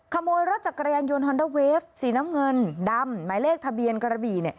ขโมยรถจักรยานยนต์ฮอนเดอร์เวฟสีน้ำเงินดำหมายเลขทะเบียนกระบี่